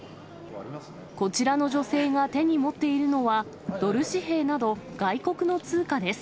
こちらの女性が手に持っているのは、ドル紙幣など外国の通貨です。